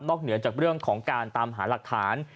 เหนือจากเรื่องของการตามหาหลักฐาน